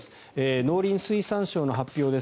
農林水産省の発表です。